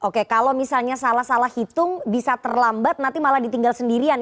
oke kalau misalnya salah salah hitung bisa terlambat nanti malah ditinggal sendirian